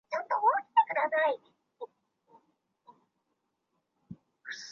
圣保罗德韦尔讷。